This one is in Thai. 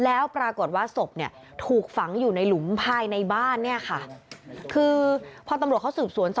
แล้วปรากฏว่าสบถูกฝังอยู่ในหลุ้มภายในบ้าน